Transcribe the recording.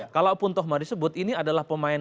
kalaupun toh disebut ini adalah pemain sayap